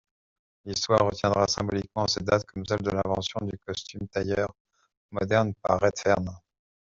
L'Histoire retiendra symboliquement cette date comme celle de l'invention du costume-tailleur moderne par Redfern.